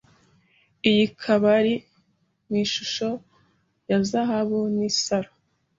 Iyi kabari ni ishusho ya zahabu Nisaro